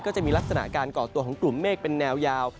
จะมีลักษณะการก่อตัวของกลุ่มเมฆเป็นแนวยาว